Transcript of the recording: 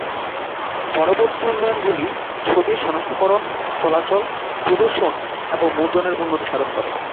পরবর্তী উন্নয়নগুলি ছবির সনাক্তকরণ, চলাচল, প্রদর্শন এবং মুদ্রণের উন্নতি সাধন করে।